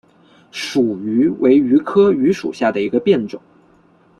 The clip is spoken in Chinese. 蜀榆为榆科榆属下的一个变种。